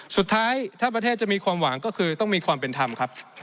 สุดท้ายถ้าประเทศจะมีความหวังก็คือต้องมีความเป็นธรรมครับ